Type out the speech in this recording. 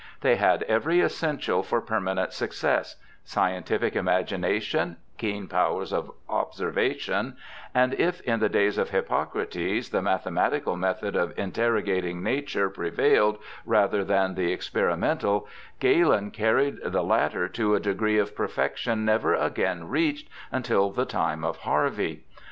They had every essential for permanent success : scientific imagination, keen powers of observation ; and if in the days of Hippocrates the mathematical method of interrogating Nature prevailed rather than the experi mental, Galen carried the latter to a degree of perfection never again reached until the time of Harvey.